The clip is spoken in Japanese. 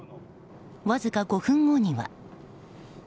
わずか５分後には。